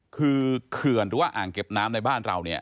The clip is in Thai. คือเขื่อนหรืออ่างเก็บน้ำในบ้านเรา